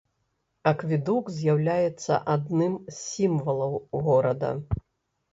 Акведук з'яўляецца адным з сімвалаў горада.